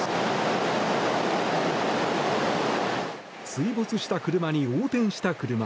水没した車に、横転した車。